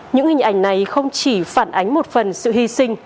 những hình ảnh này không chỉ phản ánh một phần sự hy sinh